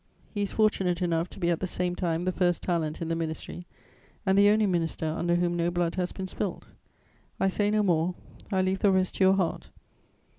He is fortunate enough to be at the same time the first talent in the Ministry and the only minister under whom no blood has been spilt. I say no more; I leave the rest to your heart.